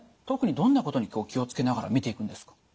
特にどんなことに気を付けながら見ていくんですか？